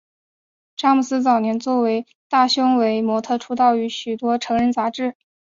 查姆斯早年作为大胸围模特出道于许多成人杂志。